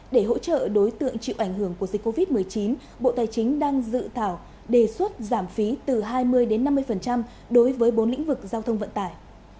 để hỗ trợ đối tượng chịu ảnh hưởng của dịch covid một mươi chín bộ tài chính đang dự thảo đề xuất giảm phí từ hai mươi đến năm mươi đối với bốn lĩnh vực giao thông vận tải